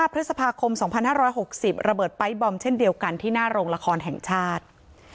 พฤษภาคม๒๕๖๐ระเบิดไป๊บอมเช่นเดียวกันที่หน้าโรงละครแห่งชาติ